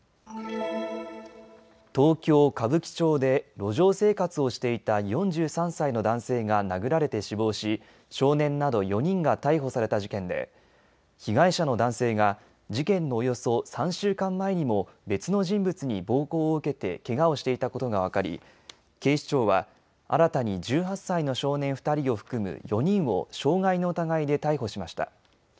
東京歌舞伎町で路上生活をしていた４３歳の男性が殴られて死亡し少年など４人が逮捕された事件で被害者の男性が事件のおよそ３週間前にも別の人物に暴行を受けてけがをしていたことが分かり、警視庁は新たに１８歳の少年２人を含む４人を傷害の疑いで逮捕しました。